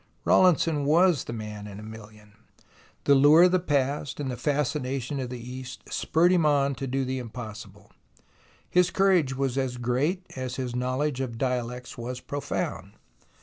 Rawlinson was the man in a million. The lure of the past and the fascination of the East spurred him on to do the impossible. His courage was as great as his knowledge of dialects was profound.